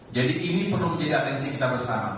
jadi ini perlu menjadi atensi kita bersama